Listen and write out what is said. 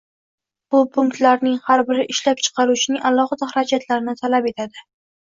Bu punktlarning har biri ishlab chiqaruvchining alohida xarajatlarini talab etadi.